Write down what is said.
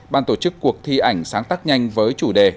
ban tổ chức cuộc thi ảnh sáng tác nhanh với chủ đề